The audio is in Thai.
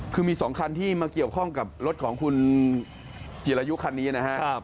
คือมี๒คันที่มาเกี่ยวข้องกับรถของคุณจิรายุคันนี้นะครับ